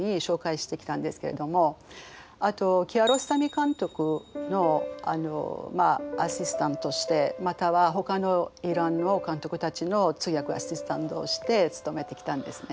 あとキアロスタミ監督のアシスタントしてまたはほかのイランの監督たちの通訳アシスタントをして勤めてきたんですね。